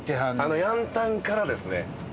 あの『ヤンタン』からですね。